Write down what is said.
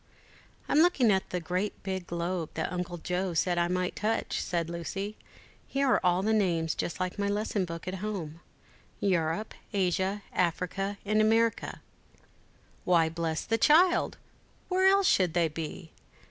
"I'm looking at the great big globe, that Uncle Joe said I might touch," said Lucy: "here are all the names just like my lesson book at home; Europe, Asia, Africa, and America." "Why, bless the child! where else should they be?